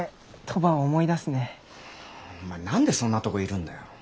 お前何でそんなとこいるんだよ。